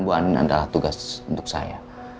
buat andin adalah tugas untuk saya